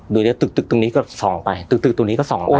เดี๋ยวจะตึกตรงนี้ก็ส่องไปตึกตรงนี้ก็ส่องไป